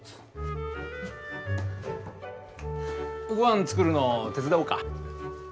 ごはん作るの手伝おうか？